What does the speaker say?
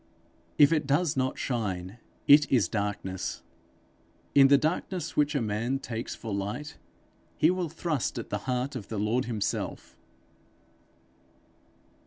If it does not shine, it is darkness. In the darkness which a man takes for light, he will thrust at the heart of the Lord himself.